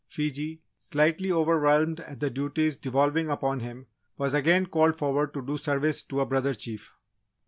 Fiji, slightly overwhelmed at the duties devolving upon him, was again called forward to do service to a Brother Chief.